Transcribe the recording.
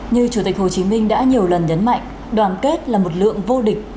như chủ tịch hồ chí minh đã nhiều lần nhấn mạnh đoàn kết là một lượng vô địch